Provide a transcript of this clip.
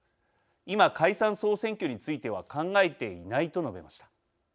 今、解散総選挙については考えていない」と述べました。